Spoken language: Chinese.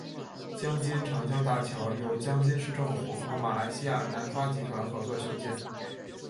江津长江大桥由江津市政府和马来西亚南发集团合作修建。